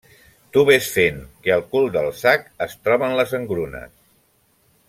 Tu vés fent, que al cul del sac es troben les engrunes!